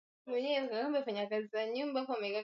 Kihispania ni lugha ya kitaifa Kikatiba Venezuela